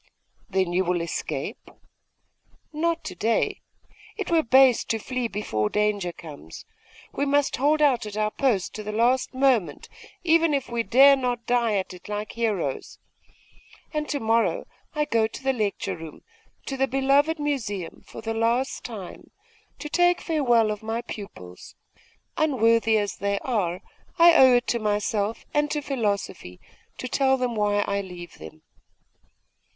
'Then you will escape?' 'Not to day. It were base to flee before danger comes. We must hold out at our post to the last moment, even if we dare not die at it like heroes. And to morrow I go to the lecture room, to the beloved Museum, for the last time, to take farewell of my pupils. Unworthy as they are, I owe it to myself and to philosophy to tell them why I leave them.